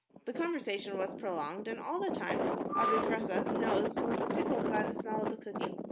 The conversation was prolonged, and all the time Abi Fressah's nose was tickled by the smell of the cooking.